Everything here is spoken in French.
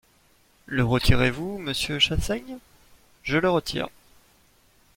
Le retirez-vous, monsieur Chassaigne ? Je le retire.